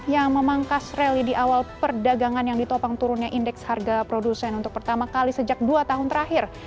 yang memangkas rally di awal perdagangan yang ditopang turunnya indeks harga produsen untuk pertama kali sejak dua tahun terakhir